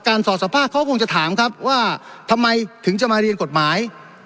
สอดสภาพเขาคงจะถามครับว่าทำไมถึงจะมาเรียนกฎหมาย